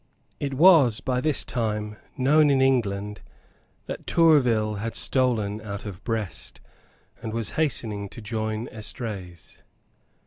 It was by this time known in England that Tourville had stolen out of Brest, and was hastening to join Estrees.